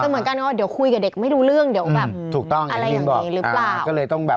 มักคือเป็นผู้ปฏิบัตินะ